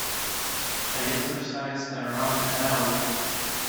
I exercised around an hour.